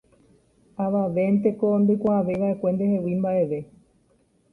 Avavénteko ndoikuaavéiva'ekue ndehegui mba'eve